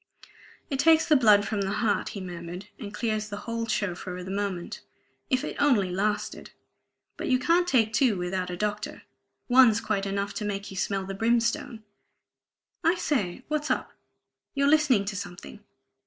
"It takes the blood from the heart," he murmured, "and clears the whole show for the moment. If it only lasted! But you can't take two without a doctor; one's quite enough to make you smell the brimstone... I say, what's up? You're listening to something!